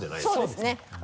そうですね。